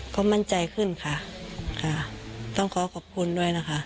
ก็มั่นใจขึ้นค่ะค่ะต้องขอขอบคุณด้วยนะคะ